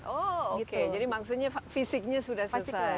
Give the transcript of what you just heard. oh oke jadi maksudnya fisiknya sudah sesuai